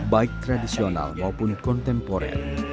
baik tradisional maupun kontemporer